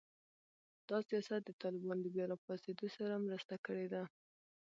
دا سیاست د طالبانو د بیا راپاڅېدو سره مرسته کړې ده